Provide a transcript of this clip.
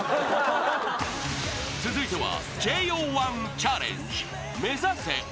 ［続いては］